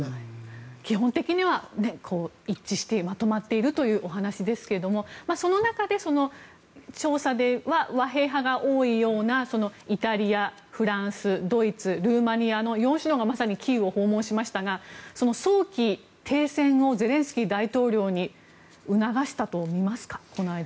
基本的には一致してまとまっているというお話ですがその中で、調査では和平派が多いようなイタリア、フランス、ドイツルーマニアの４首脳がまさにキーウを訪問しましたが早期停戦をゼレンスキー大統領に促したとみますか？